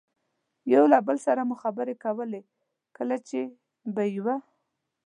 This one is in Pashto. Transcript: یو له بل سره مو خبرې کولې، کله چې به یوه.